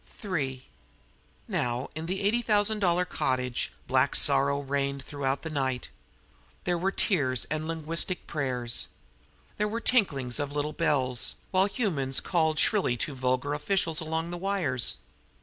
III Now, in the eighty thousand dollar cottage black sorrow reigned throughout the night. There were tears and linguistic prayers. There were tinklings of little bells, while humans called shrilly to vulgar officials along the wires.